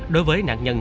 đối với nạn nhân